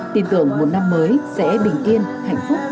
tin tưởng một năm mới sẽ bình yên hạnh phúc